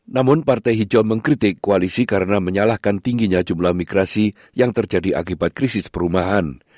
namun partai hijau mengkritik koalisi karena menyalahkan tingginya jumlah migrasi yang terjadi akibat krisis perumahan